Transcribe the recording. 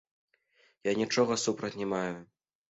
Я нічога супраць не маю.